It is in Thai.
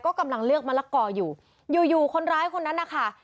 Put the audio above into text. กำลังเลือกมะละกออยู่อยู่คนร้ายคนนั้นนะคะ